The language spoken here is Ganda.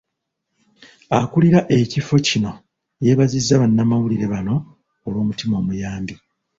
Akulira ekifo kino yeebazizza bannamawulire bano olw'omutima omuyambi.